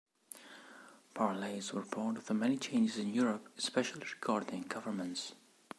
Parleys were part of the many changes in Europe, especially regarding governments.